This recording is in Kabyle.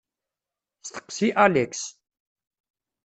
Steqsi Alex.